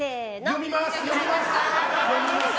読みます！